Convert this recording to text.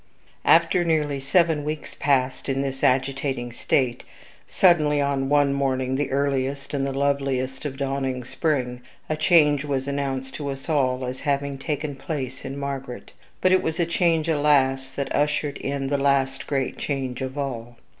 After nearly seven weeks passed in this agitating state, suddenly, on one morning, the earliest and the loveliest of dawning spring, a change was announced to us all as having taken place in Margaret; but it was a change, alas! that ushered in the last great change of all.